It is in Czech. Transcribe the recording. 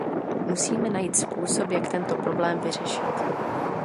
Musíme najít způsob, jak tento problém vyřešit.